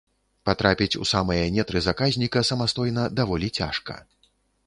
Патрапіць у самыя нетры заказніка самастойна даволі цяжка.